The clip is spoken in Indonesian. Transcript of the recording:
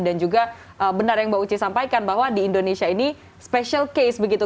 dan juga benar yang mbak uci sampaikan bahwa di indonesia ini special case begitu